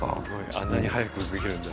あんなに速く動けるんだ。